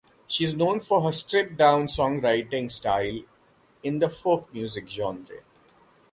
She is known for her stripped-down songwriting style in the folk music genre.